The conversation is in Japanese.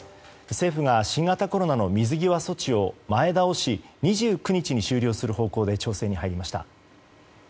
政府が新型コロナの水際措置を前倒し、２９日に終了する方向で調整に入りました。